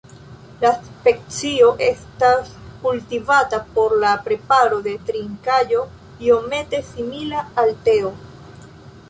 La specio estas kultivata por la preparo de trinkaĵo iomete simila al teo.